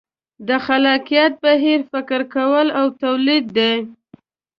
د خلاقیت بهیر فکر کول او تولید دي.